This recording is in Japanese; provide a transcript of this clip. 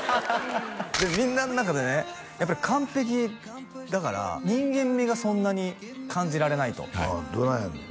みんなの中でねやっぱり完璧だから人間味がそんなに感じられないとああどないやねん？